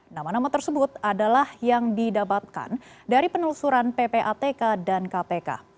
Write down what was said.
nama nama tersebut adalah yang didapatkan dari penelusuran ppatk dan kpk